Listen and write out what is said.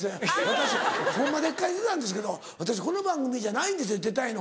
「私『ホンマでっか⁉』に出たんですけど私この番組じゃないんですよ出たいの。